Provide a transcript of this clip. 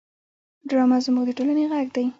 ډرامه زموږ د ټولنې غږ دی